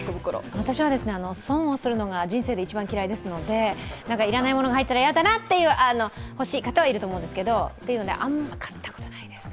私は損をするのが人生で一番嫌いですので要らないものが入ってたら嫌だなっていう、欲しい方はいると思うんですけどあんまり買ったことないですね。